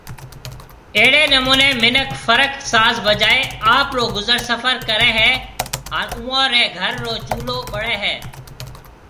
اهڙي نموني منک فرق ساز بجائي آپرو گذر سفر ڪري هي هان اوئون ري گھر رو چولو ٻڙي هي